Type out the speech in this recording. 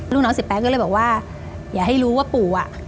ลูกน้องเสียแป้งก็เลยบอกว่าอย่าให้รู้ว่าปู่อ่ะ